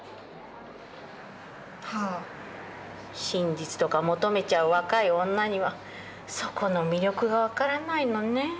真実とか求めちゃう若い女にはそこの魅力が分からないのね。